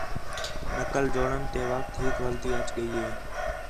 نقل جوڑݨ تے وخت ہِک غلطی اَچ ڳئی ہِے